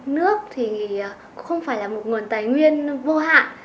nước thì không phải là một nguồn tài nguyên vô hạn